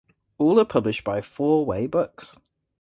All are published by Four Way Books.